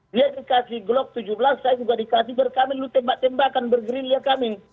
dia dikasih glock tujuh belas saya juga dikasih berkami lu tembak tembakan bergerilya kami